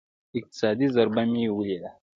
اقتصادي ضربه مې وليده.